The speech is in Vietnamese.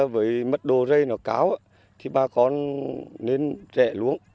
với mật độ rầy nó cao thì bà con nên rẻ luống